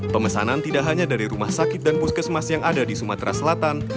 pemesanan tidak hanya dari rumah sakit dan puskesmas yang ada di sumatera selatan